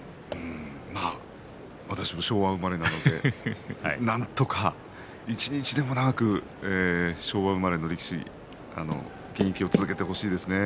私も昭和生まれなのでなんとか一日でも長く昭和生まれの力士現役を続けてほしいですね。